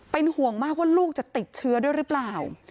เป็นห่วงมากว่าลูกจะติดเชื้อด้วยหรือเปล่า